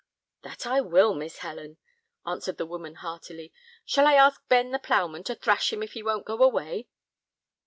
"That I will, Miss Helen," answered the woman, heartily. "Shall I ask Ben the ploughman to thrash him if he won't go away?"